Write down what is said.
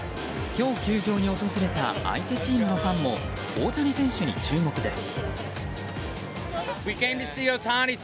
今日、球場に訪れた相手チームのファンも大谷選手に注目です。